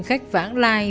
khách vãng lai